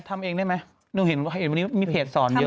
ทำเองได้ไหมหนูเห็นวันนี้มีเพจสอนเยอะ